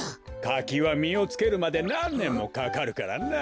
かきはみをつけるまでなんねんもかかるからな。